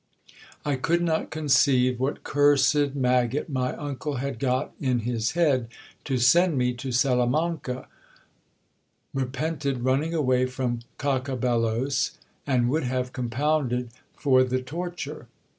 I could not conceive what cursed maggot my uncle had got in his head to send me to Salamanca ; repented running away from Cacabelos, and would have compounded for the torture.